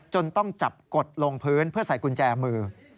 ต้องจับกดลงพื้นเพื่อใส่กุญแจมือ